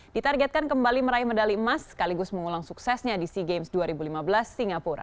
ditargetkan kembali meraih medali emas sekaligus mengulang suksesnya di sea games dua ribu lima belas singapura